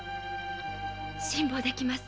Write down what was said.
辛抱できます！